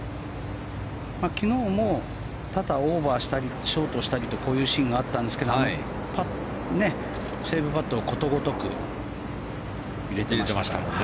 昨日もパターをオーバーしたりショートしたりとこういうシーンがあったんですけどセーブパットをことごとく入れてました。